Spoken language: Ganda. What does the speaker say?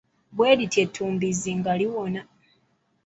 Bwe lityo ettumbiizi nga liwona.